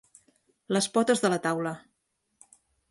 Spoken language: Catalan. Les potes de la taula.